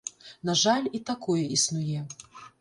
На жаль, і такое існуе.